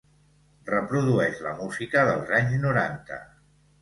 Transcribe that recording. Reprodueix la música dels anys noranta.